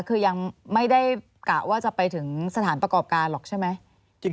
คือยังไม่ได้กะว่าจะไปถึงสถานประกอบการหรอกใช่ไหม